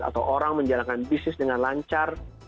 atau orang menjalankan bisnis dengan lancar